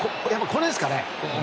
これですかね？